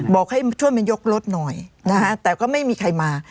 บอกให้ช่วยมายกรถหน่อยนะฮะแต่ก็ไม่มีใครมา